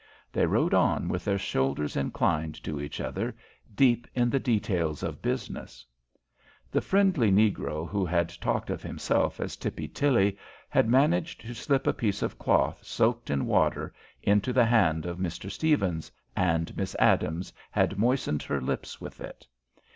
They rode on with their shoulders inclined to each other, deep in the details of business. The friendly negro who had talked of himself as Tippy Tilly had managed to slip a piece of cloth soaked in water into the hand of Mr. Stephens, and Miss Adams had moistened her lips with it.